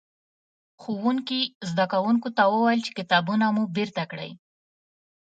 ښوونکي؛ زدکوونکو ته وويل چې کتابونه مو بېرته کړئ.